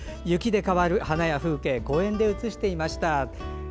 雪で変わる花や風景を公園で写してみました。